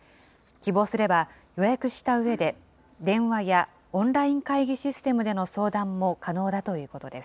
希望すれば、予約したうえで電話やオンライン会議システムでの相談も可能だということです。